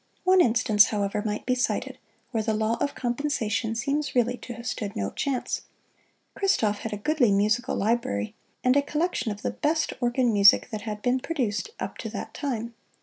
One instance, however, might be cited where the law of compensation seems really to have stood no chance. Christoph had a goodly musical library and a collection of the best organ music that had been produced up to that time.